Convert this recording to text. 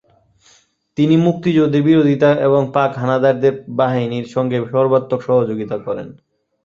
তিনি মুক্তিযুদ্ধের বিরোধিতা এবং পাক হানাদার বাহিনীর সঙ্গে সর্বাত্মক সহযোগিতা করেন।